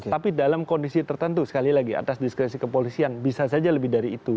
tapi dalam kondisi tertentu sekali lagi atas diskresi kepolisian bisa saja lebih dari itu